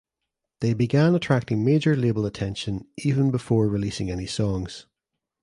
They began attracting major label attention even before releasing any songs.